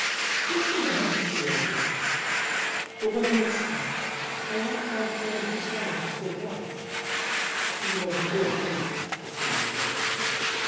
"Just about," he answered. "But what do you expect? I left my friend the scientist at once, even though he did hate to see me go.